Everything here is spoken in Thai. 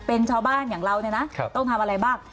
เป็นชาวบ้านอย่างเราเนี่ยนะต้องทำอะไรบ้าง